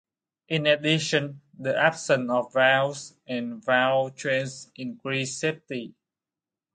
In addition, the absence of valves and valve trains increases safety.